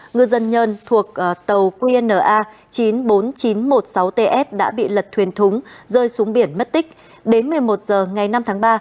ngư dân nhân thuộc tàu qna chín mươi bốn nghìn chín trăm một mươi sáu ts đã bị lật thuyền thúng rơi xuống biển mất tích đến một mươi một h ngày năm tháng ba